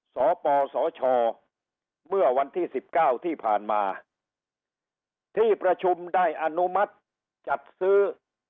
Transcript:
สปสชเมื่อวันที่๑๙ที่ผ่านมาที่ประชุมได้อนุมัติจัดซื้อ